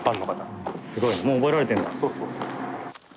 そうそうそうそう。